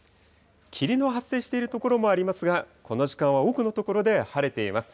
霧の発生している所もありますが、この時間は多くの所で晴れています。